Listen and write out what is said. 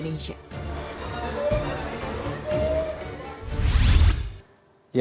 tim liputan sianan indonesia